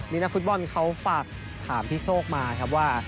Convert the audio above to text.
นี่นักฟุตบอลเขาฝากถามพี่โชคมาครับว่า